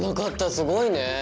すごいね！